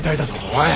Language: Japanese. おい！